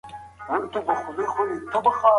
خپل برخليک په خپل لاس وټاکئ.